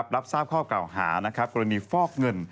รับทราบข้อเก่าหากรณีฟอกเงิน